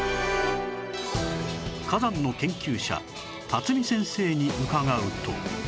火山の研究者巽先生に伺うと